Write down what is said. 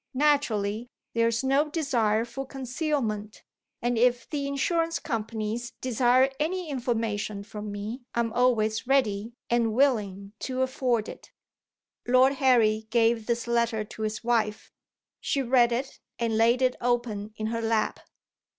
Naturally, there is no desire for concealment, and if the Insurance Companies desire any information from me I am always ready and willing to afford it." Lord Harry gave this letter to his wife. She read it, and laid it open in her lap.